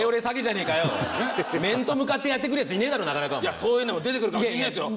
いやそういうのも出てくるかもしれないですよ。